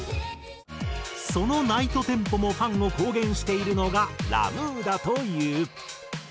そのＮｉｇｈｔＴｅｍｐｏもファンを公言しているのがラ・ムーだという。